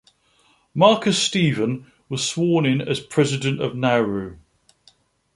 Marcus Stephen was sworn in as President of Nauru.